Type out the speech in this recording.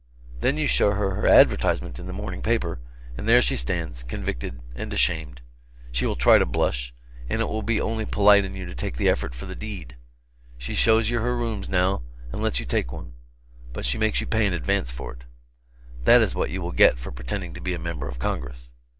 Then you show her her advertisement in the morning paper, and there she stands, convicted and ashamed. She will try to blush, and it will be only polite in you to take the effort for the deed. She shows you her rooms, now, and lets you take one but she makes you pay in advance for it. That is what you will get for pretending to be a member of Congress.